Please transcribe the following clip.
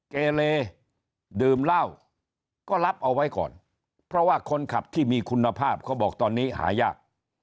เกเลดื่มเหล้าก็รับเอาไว้ก่อนเพราะว่าคนขับที่มีคุณภาพเขาบอกตอนนี้หายาก